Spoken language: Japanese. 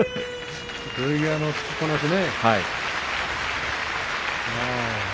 土俵際ね、突きっぱなしね。